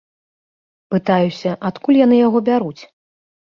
Пытаюся, адкуль яны яго бяруць?